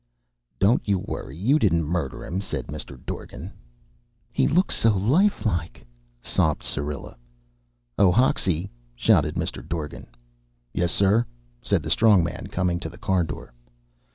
"Don't you worry; you didn't murder him," said Mr. Dorgan. "He looks so lifelike!" sobbed Syrilla. "Oh, Hoxie!" shouted Mr. Dorgan. "Yes, sir?" said the Strong Man, coming to the car door.